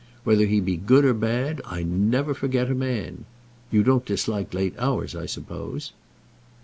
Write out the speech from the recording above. Whether he be good or bad, I never forget a man. You don't dislike late hours, I suppose."